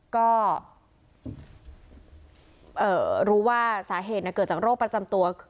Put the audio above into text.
ก็รู้ว่าสาเหตุเกิดจากโรคประจำตัว